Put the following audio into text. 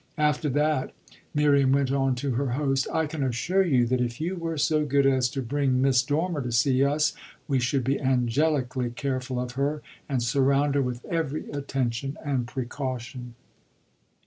After that," Miriam went on to her host, "I can assure you that if you were so good as to bring Miss Dormer to see us we should be angelically careful of her and surround her with every attention and precaution."